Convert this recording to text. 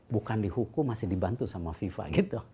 bukan dihukum masih dibantu sama fifa gitu